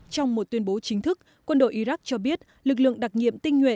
trong một tuyên bố chính thức quân đội iraq cho biết lực lượng đặc nhiệm tinh nguyện